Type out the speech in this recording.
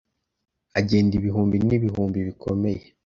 Agenda ibihumbi nibihumbi bikomeye